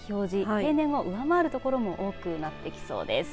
平年を上回る所が多くなってきそうです。